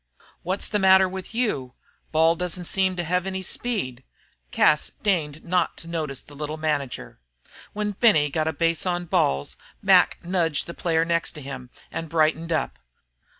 "Wot's the matter with you? Ball doesn't seem to hev any speed." Cas deigned not to notice the little manager. When Benny got a base on balls Mac nudged the player next to him and brightened up.